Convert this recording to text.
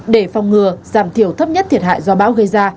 để phòng ngừa giảm thiểu thấp nhất thiệt hại do bão gây ra